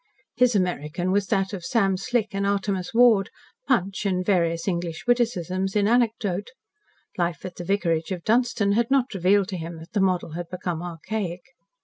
His American was that of Sam Slick and Artemus Ward, Punch and various English witticisms in anecdote. Life at the vicarage of Dunstan had not revealed to him that the model had become archaic.